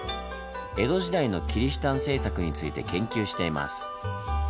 江戸時代のキリシタン政策について研究しています。